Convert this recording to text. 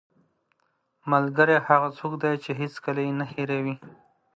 ملګری هغه څوک دی چې هېڅکله یې نه هېروې